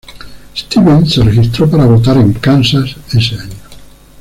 Stevens se registró para votar en Kansas ese año.